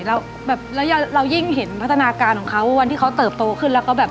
แล้วแบบแล้วเรายิ่งเห็นพัฒนาการของเขาวันที่เขาเติบโตขึ้นแล้วก็แบบ